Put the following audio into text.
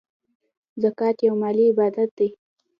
زکات یو مالی عبادت دی .